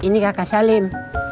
ini kakak salim